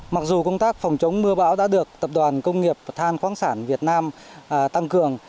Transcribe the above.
mặc dù công tác phòng chống mưa bão đã được tập đoàn công nghiệp than khoáng sản việt nam tăng cường